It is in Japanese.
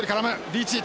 リーチ。